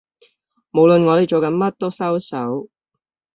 無論我哋做緊乜都收手